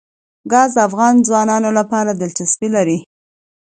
ګاز د افغان ځوانانو لپاره دلچسپي لري.